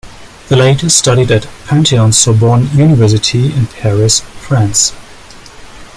They later studied at Pantheon-Sorbonne University in Paris, France.